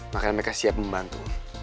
makanya mereka siap membantu